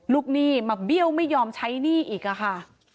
หนี้มาเบี้ยวไม่ยอมใช้หนี้อีกค่ะ